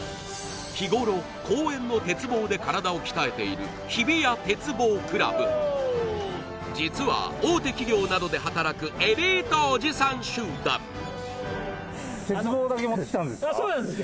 日頃公園の鉄棒で体を鍛えている実は大手企業などで働くエリートおじさん集団あっそうなんです